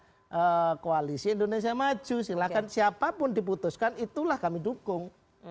kami serahkan kepada koalisi indonesia maju silahkan siapapun diputuskan itulah kami dukung